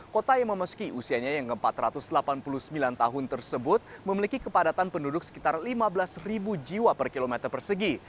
kota yang memasuki usianya yang ke empat ratus delapan puluh sembilan tahun tersebut memiliki kepadatan penduduk sekitar lima belas jiwa per kilometer persegi